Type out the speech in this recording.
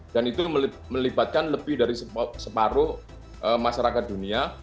dan itu melibatkan lebih dari separuh masyarakat dunia